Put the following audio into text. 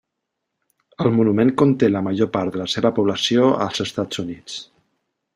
El monument conté la major part de la seva població als Estats Units.